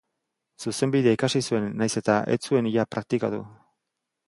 Zuzenbidea ikasi zuen nahiz eta ez zuen ia praktikatu.